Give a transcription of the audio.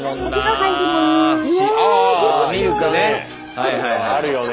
はいはいはいあるよね。